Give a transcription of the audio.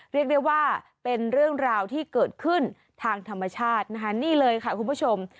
เรียกได้ว่าเป็นเรื่องราวที่เกิดขึ้นทางธรรมชาตินะคะนี่เลยค่ะคุณผู้ชม